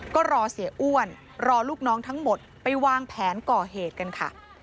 ก็รอเสียอ้วนรอลูกน้องทั้งหมดไปวางแผนก่อเหตุกันค่ะ